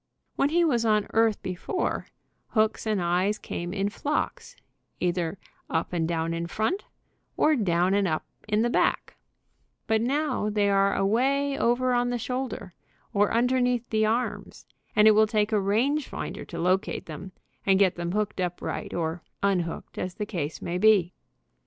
When he was on earth before, hooks and eyes came in flocks, either up and down in front, or down and up the back, but now they are away over on the shoulder, or under neath the arms, and it will take a range finder to locate them, and get them hooked up right, or un hooked, as the case may be.